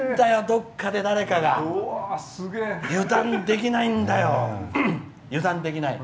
どっかで誰かが！油断できないんだよ。